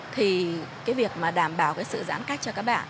thì cái việc mà đảm bảo cái sự giãn cách cho các bạn